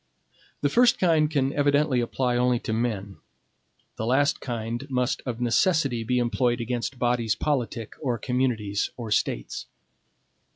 The first kind can evidently apply only to men; the last kind must of necessity, be employed against bodies politic, or communities, or States.